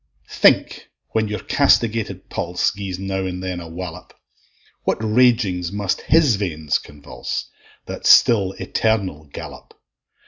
Think, when your castigated pulse Gies now and then a wallop! What ragings must his veins convulse, That still eternal gallop!